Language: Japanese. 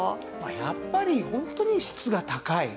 やっぱりホントに質が高い。